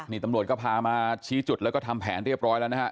นี่ตำรวจก็พามาชี้จุดแล้วก็ทำแผนเรียบร้อยแล้วนะฮะ